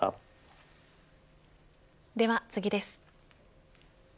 では次です。